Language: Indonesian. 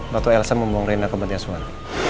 waktu elsa membawa reina ke bantiasuan